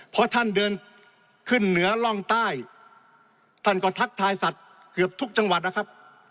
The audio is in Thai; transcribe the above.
พอท่านเดินขึ้นเหนือร่องใต้ท่านก็ทักทายสัตว์เกือบทุกจังหวัดนะครับ